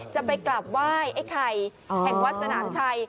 จะไปกลับไหว้ไอ้ไข่แห่งวัดสนามชัย